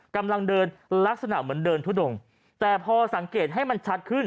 กำลังเดินลักษณะเหมือนเดินทุดงแต่พอสังเกตให้มันชัดขึ้น